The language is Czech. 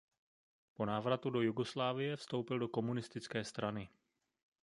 Po návratu do Jugoslávie vstoupil do Komunistické strany.